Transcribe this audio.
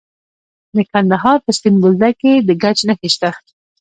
د کندهار په سپین بولدک کې د ګچ نښې شته.